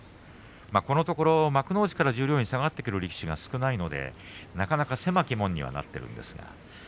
このところ幕内から十両に下がる力士が少ないのでなかなか狭き門にはなっています。